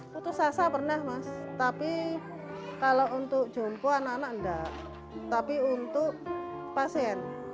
putus asa pernah mas tapi kalau untuk jongko anak anak enggak tapi untuk pasien